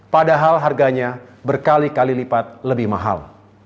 padahal harganya berkali kali lipat lebih mahal